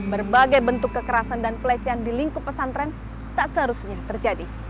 berbagai bentuk kekerasan dan pelecehan di lingkup pesantren tak seharusnya terjadi